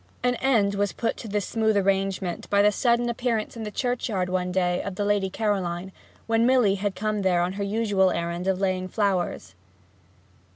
An end was put to this smooth arrangement by the sudden appearance in the churchyard one day of the Lady Caroline, when Milly had come there on her usual errand of laying flowers.